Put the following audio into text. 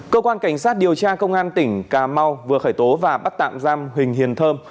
cơ quan cảnh sát điều tra công an tỉnh cà mau vừa khởi tố và bắt tạm giam huỳnh hiền thơm